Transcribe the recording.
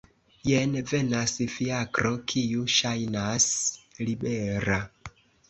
Jen venas fiakro kiu ŝajnas libera.